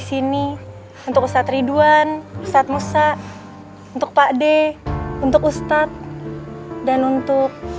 sini untuk ustadz ridwan ustadz musa untuk pak d untuk ustadz dan untuk